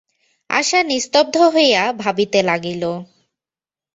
আশা নিস্তব্ধ হইয়া ভাবিতে লাগিল।